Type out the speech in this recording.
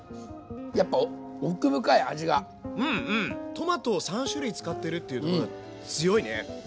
トマトを３種類使ってるっていうのこれ強いね。